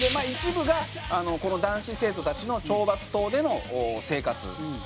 １部がこの男子生徒たちの懲罰棟での生活。